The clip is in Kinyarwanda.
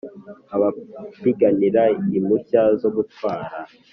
abapiganira impushya zo gutwara